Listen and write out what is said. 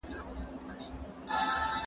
زه انځور نه ګورم؟